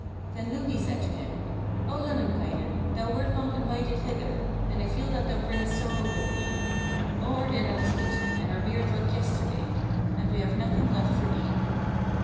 Then Louhi said to him: 'O Lemminkainen, thou wert not invited hither, and I feel that thou bringest sorrow with thee. All our dinner was eaten and our beer drunk yesterday, and we have nothing left for thee.'